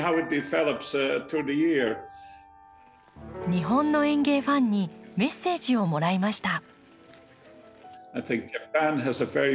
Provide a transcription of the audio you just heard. Ｔｈａｎｋｙｏｕ．日本の園芸ファンにメッセージをもらいました。